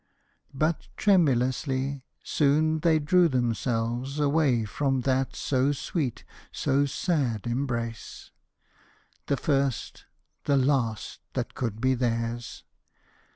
But, tremulously, soon they drew themselves Away from that so sweet, so sad embrace, The first, the last that could be theirs.